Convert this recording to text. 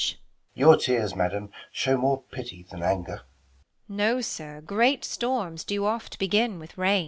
Beat. No, sir, great storms do oft bes; in with rain.